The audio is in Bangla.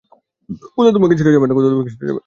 খোদা তোমাকে ছেড়ে যাবেন না।